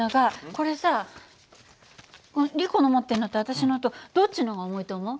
これさリコの持ってるのと私のとどっちの方が重いと思う？